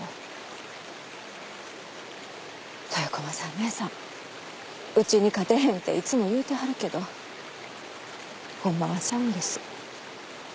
姉さんうちに勝てへんっていつも言うてはるけどホンマはちゃうんです。